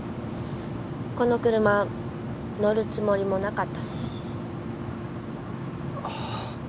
この車乗るつもりもなかったし。